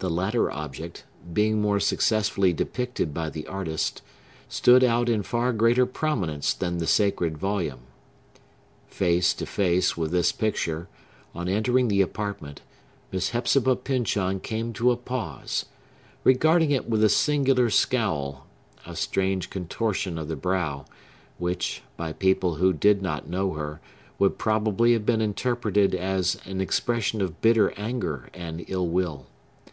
The latter object, being more successfully depicted by the artist, stood out in far greater prominence than the sacred volume. Face to face with this picture, on entering the apartment, Miss Hepzibah Pyncheon came to a pause; regarding it with a singular scowl, a strange contortion of the brow, which, by people who did not know her, would probably have been interpreted as an expression of bitter anger and ill will.